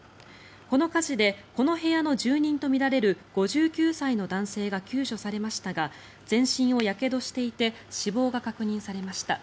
この火事でこの部屋の住人とみられる５９歳の男性が救助されましたが全身をやけどしていて死亡が確認されました。